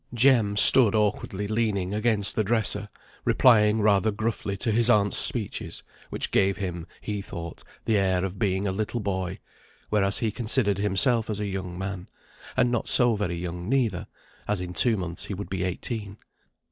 Jem stood awkwardly leaning against the dresser, replying rather gruffly to his aunt's speeches, which gave him, he thought, the air of being a little boy; whereas he considered himself as a young man, and not so very young neither, as in two months he would be eighteen.